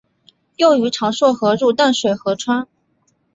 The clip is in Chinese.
幼鱼常溯河入淡水河川。